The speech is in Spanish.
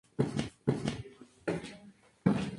El impacto del Plan de Iguala en la región fue muy fuerte.